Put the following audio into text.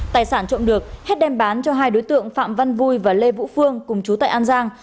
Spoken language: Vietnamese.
tài sản trộm được hết đem bán cho hai đối tượng phạm văn vui và lê vũ phương cùng chú tại an giang